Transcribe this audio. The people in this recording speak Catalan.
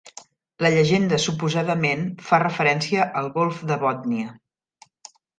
La llegenda suposadament fa referència al Golf de Bòtnia.